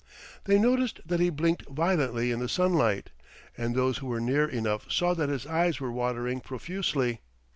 They noticed that he blinked violently in the sunlight, and those who were near enough saw that his eyes were watering profusely.